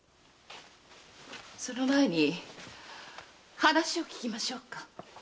その前に話を聞きましょうか。